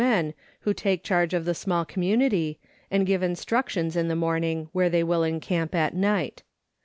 men, Avho take charge of the small community, and give instruc tions in the morning where they will encamp at night.